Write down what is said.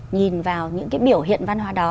nhìn vào những biểu hiện văn hóa đó